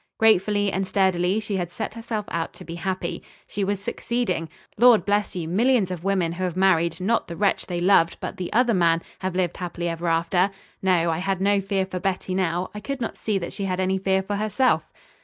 Gratefully and sturdily she had set herself out to be happy. She was succeeding.... Lord bless you! Millions of women who have married, not the wretch they loved, but the other man, have lived happy ever after. No: I had no fear for Betty now. I could not see that she had any fear for herself.